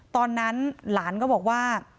ตอนนั้นหลานก็บอกว่า